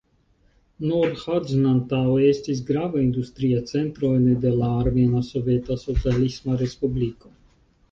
Nor Haĝn antaŭe estis grava industria centro ene de la Armena Soveta Socialisma Respubliko.